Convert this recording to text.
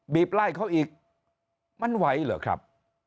ไล่เขาอีกมันไหวเหรอครับ